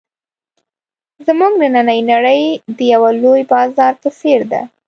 زموږ نننۍ نړۍ د یوه لوی بازار په څېر ده.